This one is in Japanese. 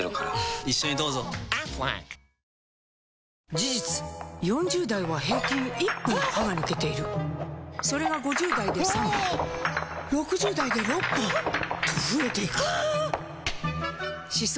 事実４０代は平均１本歯が抜けているそれが５０代で３本６０代で６本と増えていく歯槽